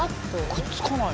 くっつかない。